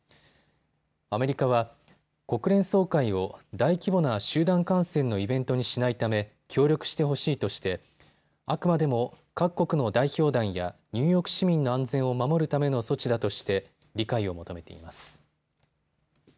アメリカは国連総会を大規模な集団感染のイベントにしないため協力してほしいとしてあくまでも各国の代表団やニューヨーク市民の安全を守るための措置だとして理解を求めています。